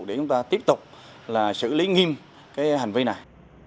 để chúng ta tiếp tục là xử lý nghiêm cái hành vi này